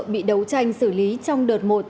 bị đấu tranh xử lý trong đợt một